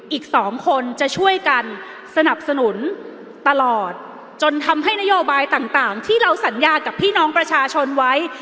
อีกสองคนจะช่วยกันสนับสนุนตลอดจนทำให้นโยบายต่างที่เราสัญญากับพี่น้องประชาชนไว้